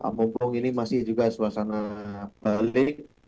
mumpung ini masih juga suasana balik